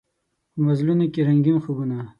په مزلونوکې رنګین خوبونه